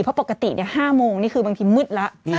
เพราะปกติ๕โมงนี่คือบางทีมืดแล้ว